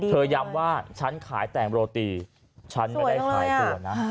ย้ำว่าฉันขายแต่งโรตีฉันไม่ได้ขายตัวนะ